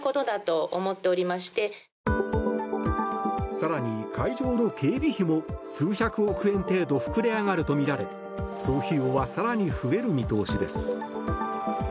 更に、会場の警備費も数百億円程度膨れ上がるとみられ、その費用は更に増える見通しです。